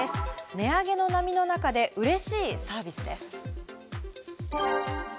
値上げの波の中で嬉しいサービスです。